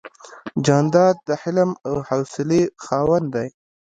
جانداد د حلم او حوصلې خاوند دی.